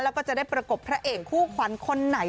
แล้วก็จะได้ประกบพระเอกคู่ขวัญคนไหน